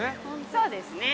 ◆そうですね。